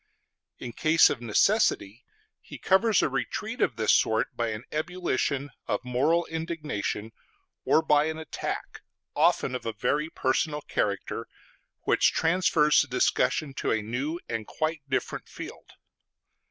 In case of necessity he covers a retreat of this sort by an ebullition of moral indignation, or by an attack, often of a very personal character, which transfers the discussion to a new and quite different field.